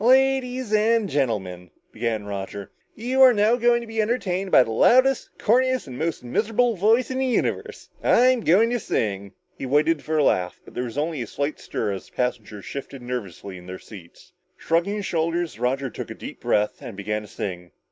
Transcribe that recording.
"Ladieeees and Gentlemen," began Roger. "You are now going to be entertained by the loudest, corniest and most miserable voice in the universe. I'm going to sing!" He waited for a laugh, but there was only a slight stir as the passengers shifted nervously in their seats. Shrugging his shoulders, Roger took a deep breath and began to sing.